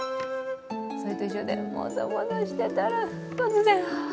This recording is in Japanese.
それと一緒で、もそもそしてたら、突然。